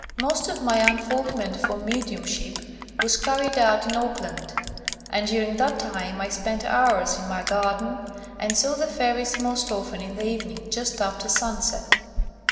Most of my un foldment for mediumship was carried out in Auckland, and during that time I spent hours in my garden, and saw the fairies most often in the evening just after sun set.